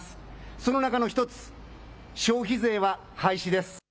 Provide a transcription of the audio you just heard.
その中の１つ、消費税は廃止です。